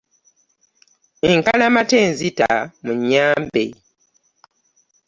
Enkalamata enzita, munyambe.